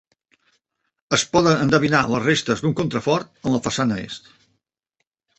Es poden endevinar les restes d'un contrafort en la façana est.